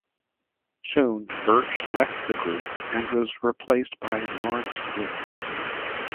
Soon, Burch left the group and was replaced by Lawrence Wood.